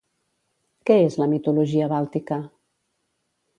Què és la mitologia bàltica?